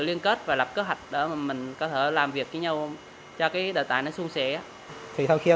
liên kết và lập kế hoạch để mình có thể làm việc với nhau cho cái đề tài nó sung sỉ thì sau khi